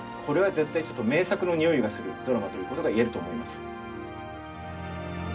これは絶対ちょっと名作のにおいがするドラマということが言えると思います。